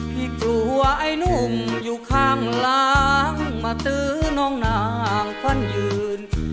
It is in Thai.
พี่กลัวไอ้นุ่มอยู่ข้างล้างมาตื้อน้องนางควันยืน